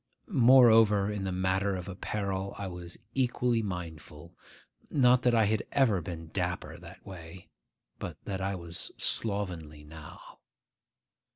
Moreover, in the matter of apparel I was equally mindful; not that I had ever been dapper that way; but that I was slovenly now.